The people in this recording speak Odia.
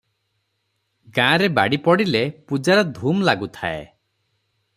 ଗାଁରେ ବାଡ଼ିପଡିଲେ ପୂଜାର ଧୂମ୍ ଲାଗୁଥାଏ ।